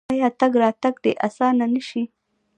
آیا تګ راتګ دې اسانه نشي؟